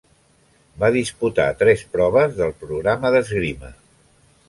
Va disputar tres proves del programa d'esgrima.